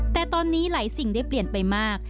แต่ตอนนี้หลายสิ่งได้เปลี่ยนไปมาก